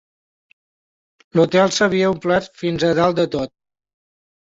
L'hotel s'havia omplert fins a dalt de tot